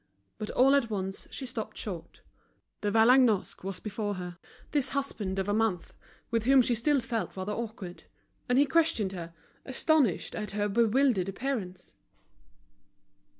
But all at once she stopped short: De Vallagnosc was before her, this husband of a month, with whom she still felt rather awkward; and he questioned her, astonished at her bewildered appearance.